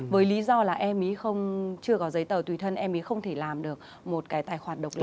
với lý do là em ý không chưa có giấy tờ tùy thân em ý không thể làm được một cái tài khoản độc đáo